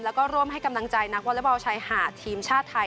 แล้วก็ร่วมให้กำลังใจนักวอเล็กบอลชายหาดทีมชาติไทย